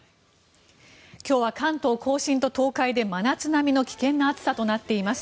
今日は関東・甲信と東海で真夏並みの危険な暑さとなっています。